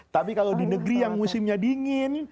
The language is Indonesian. tapi kalau di negeri yang musimnya dingin